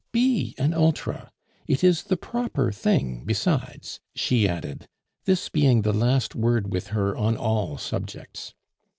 Be an Ultra. It is the proper thing besides," she added, this being the last word with her on all subjects.